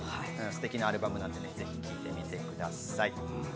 ステキなアルバムなので、ぜひ聴いてみてください。